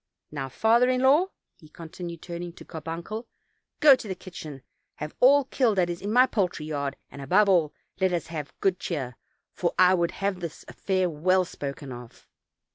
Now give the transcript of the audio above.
Now, father in law," he continued, turning to Carbuncle, "go to the kitchen, have all killed that is in my poultry yard, and, above all, let us have good cheer, for I would have this affair well spoken of."